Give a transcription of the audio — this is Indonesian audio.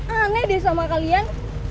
aneh deh sama kalian